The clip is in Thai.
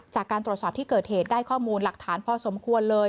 จากการตรวจสอบที่เกิดเหตุได้ข้อมูลหลักฐานพอสมควรเลย